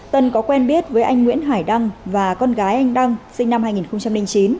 tân có quen biết với anh nguyễn hải đăng và con gái anh đăng sinh năm hai nghìn chín